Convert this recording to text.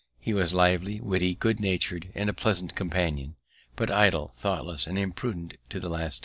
He was lively, witty, good natur'd, and a pleasant companion, but idle, thoughtless, and imprudent to the last degree.